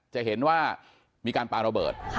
จะเห็นว่ามีการปาระเบิด